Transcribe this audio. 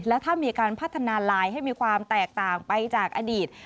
และถ้ามีการพัฒนาลายให้มีความแตกต่างไปจากอดีต